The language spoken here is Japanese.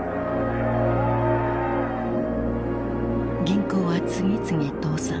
銀行は次々倒産。